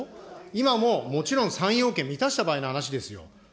今ももちろん、３要件満たした場合の話ですよ。